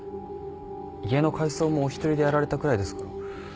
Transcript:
家の改装もお一人でやられたくらいですから。